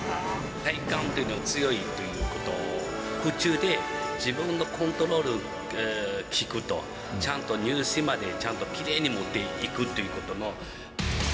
体幹というのが強いと空中で自分のコントロール利くと、ちゃんと入水まで、ちゃんときれいに持っていくということの。